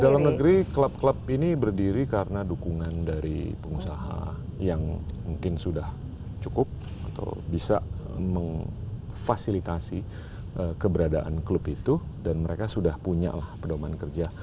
di dalam negeri klub klub ini berdiri karena dukungan dari pengusaha yang mungkin sudah cukup atau bisa memfasilitasi keberadaan klub itu dan mereka sudah punya lah pedoman kerja